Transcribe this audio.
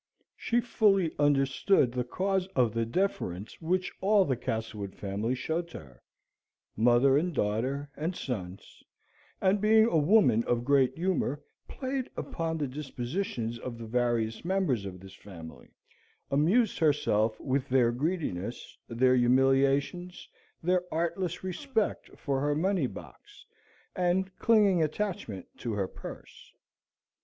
She fully understood the cause of the deference which all the Castlewood family showed to her mother, and daughter, and sons, and being a woman of great humour, played upon the dispositions of the various members of this family, amused herself with their greedinesses, their humiliations, their artless respect for her money box, and clinging attachment to her purse.